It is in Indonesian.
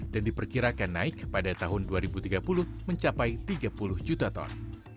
dan diperkirakan naik pada tahun dua ribu tiga puluh mencapai tiga puluh juta ton